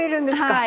はい。